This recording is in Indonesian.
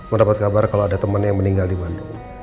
mendapat kabar kalau ada teman yang meninggal di bandung